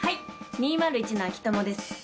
２０１の秋友です。